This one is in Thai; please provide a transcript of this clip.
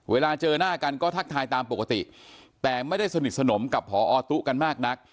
เวลาเจอหน้ากันก็ทักทายตามปกติแต่ไม่ได้สนิทสนมกับพอตุ๊กันมากนัก